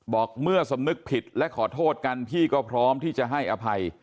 บอกเมื่อสำนึกผิดและขอโทษกันพี่ก็พร้อมที่จะให้อภัย